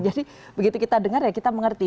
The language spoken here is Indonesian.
jadi begitu kita dengar ya kita mengerti